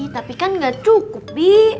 tapi kan gak cukup bi